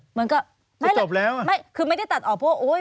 เหมือนก็มันก็จบแล้วไม่คือไม่ได้ตัดออกเพราะโอ๊ย